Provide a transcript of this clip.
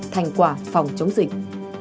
thành quả phòng chống dịch